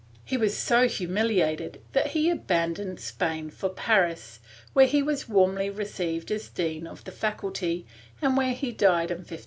He was so humiliated that he abandoned Spain for Paris, where he was warmly received as dean of the faculty, and where he died in 1541.